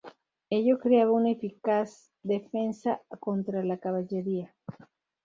Ello creaba una eficaz defensa contra la caballería.